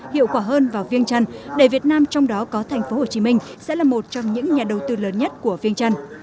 hiệu quả hơn vào viêng trăn để việt nam trong đó có tp hcm sẽ là một trong những nhà đầu tư lớn nhất của viêng trăn